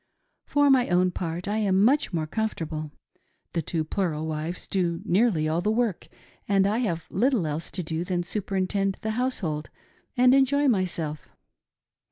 For my own part, I am much more com fortable. The two plural wives do nearly all the work, and I have Httle else to do than superintend the household and enjoy myself.